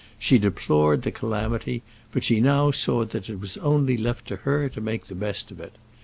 She deplored the calamity, but she now saw that it was only left to her to make the best of it.